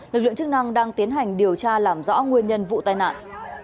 lực lượng chức năng đang tiến hành điều tra làm rõ nguyên nhân vụ tai nạn